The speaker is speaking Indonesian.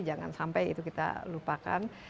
jangan sampai itu kita lupakan